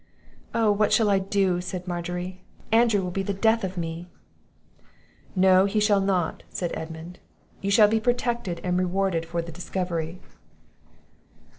"Oh, what shall I do?" said Margery; "Andrew will be the death of me!" "No, he shall not," said Edmund; "you shall be protected and rewarded for the discovery."